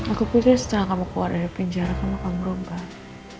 aku pikir setelah kamu keluar dari pinjara kamu akan berubah